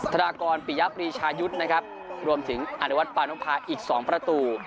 ธนากรปิยะปรีชายุทธ์นะครับรวมถึงอนุวัฒนปานุภาอีก๒ประตู